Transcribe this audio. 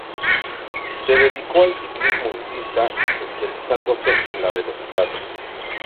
Se dedicó al ciclismo en pista, especializándose en la Velocidad.